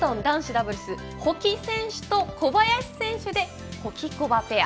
ダブルス保木選手と小林選手でホキコバペア。